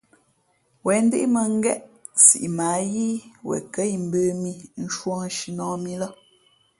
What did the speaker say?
Wěn ndíʼ mᾱngén siʼ mα ǎ yíí wen kα̌ imbə̄ mī nshūᾱ nshǐnᾱh mǐ lά.